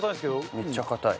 めっちゃ硬い。